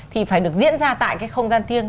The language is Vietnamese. thì phải được diễn ra tại cái không gian thiêng